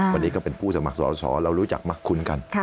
วันนี้ก็เป็นผู้สมัครสอสอเรารู้จักมักคุ้นกัน